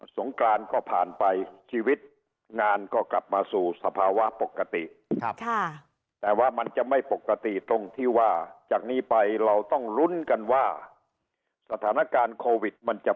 สงกรานก็ผ่านไปชีวิตงานก็กลับมาสู่สภาวะปกติ